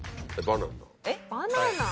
バナナ？